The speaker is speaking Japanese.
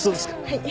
はい。